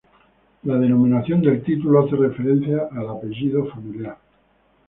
La denominación del título hace referencia al apellido familiar.